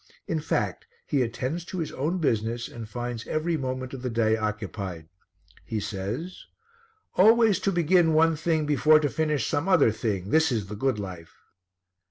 In fact, he attends to his own business and finds every moment of the day occupied. He says "Always to begin one thing before to finish some other thing, this is the good life."